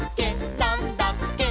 なんだっけ？！」